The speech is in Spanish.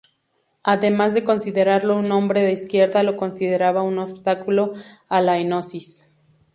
Además de considerarlo un hombre de izquierda, lo consideraba un obstáculo a la Enosis.